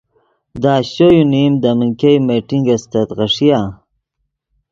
دے اشچو یو نیم دے من ګئے میٹنگ استت غیݰیآ۔